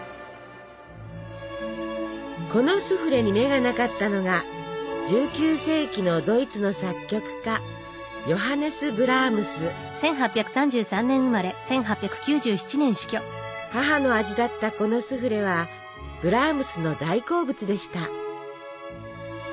このスフレに目がなかったのが１９世紀のドイツの作曲家母の味だったこのスフレはブラームスの大好物でした。